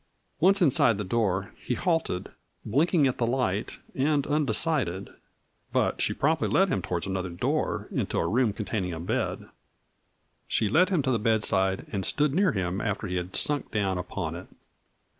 Once inside the door he halted, blinking at the light and undecided. But she promptly led him toward another door, into a room containing a bed. She led him to the bedside and stood near him after he had sunk down upon it.